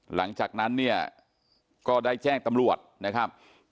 หลังจากนั้นเนี่ยก็ได้แจ้งตำรวจนะครับ